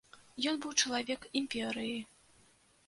Ён быў чалавек імперыі.